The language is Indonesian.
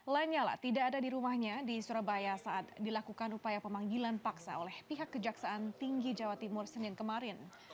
lanyala tidak ada di rumahnya di surabaya saat dilakukan upaya pemanggilan paksa oleh pihak kejaksaan tinggi jawa timur senin kemarin